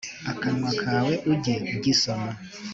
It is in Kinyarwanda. akanwa kawe ujye ugisoma